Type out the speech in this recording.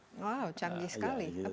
wow canggih sekali